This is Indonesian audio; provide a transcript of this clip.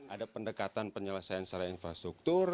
ada pendekatan penyelesaian secara infrastruktur